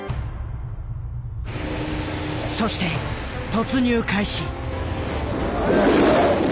そして突入開始。